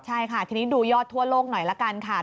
ใช่ค่ะทีนี้ดูยอดทั่วโลกหน่อยละกันค่ะ